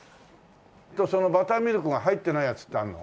じゃあそのバターミルクが入ってないやつってあるの？